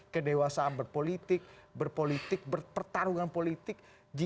kedewasaan berpolitik berpolitik bertarungan politik